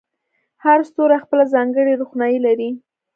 هر ستوری خپله ځانګړې روښنایي لري.